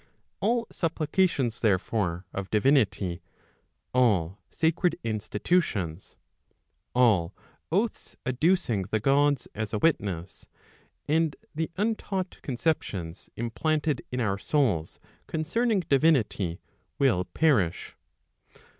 All supplications, therefore, of divinity, all sacred institutions, all oaths adducing the Gods as a witness, and the untaught conceptions implanted in our souls concerning divinity, will perish.